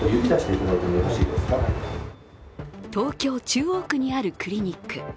東京・中央区にあるクリニック。